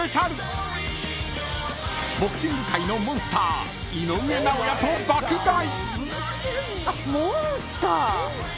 ［ボクシング界のモンスター井上尚弥と爆買い］